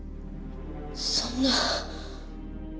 そんな。